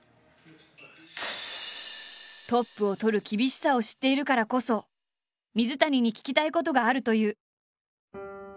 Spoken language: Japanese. トップをとる厳しさを知っているからこそ水谷に聞きたいことがあるという。